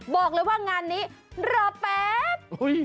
บอกเลยว่างานนี้รอแป๊บ